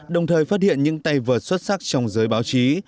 đồng thời phát hiện những tay vợt xuất sắc trong giới báo chí